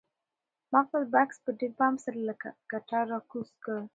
ما خپل بکس په ډېر پام سره له کټاره راکوز کړ.